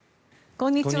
こんにちは。